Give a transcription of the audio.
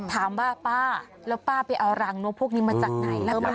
ถามว่าป้าแล้วป้าไปเอารางนกพวกนี้มาจากไหนแล้วป้า